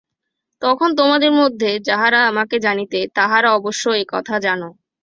তখন তোমাদের মধ্যে যাহারা আমাকে জানিতে, তাহারা অবশ্য এ-কথা জান।